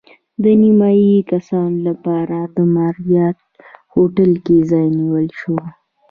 د نیمایي کسانو لپاره د ماریاټ هوټل کې ځای نیول شوی و.